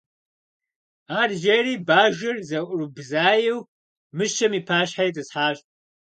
Ар жери бажэр зыӏурыбзаеу мыщэм и пащхьэ итӏысхьащ.